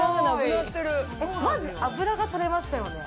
マジ脂が取れましたよね。